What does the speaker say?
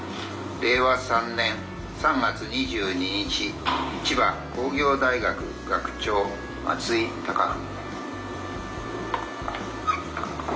令和３年３月２２日千葉工業大学学長松井孝典』」。